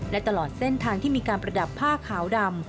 และตลอดเส้นทางที่มีการประดับผ้าขาวดำ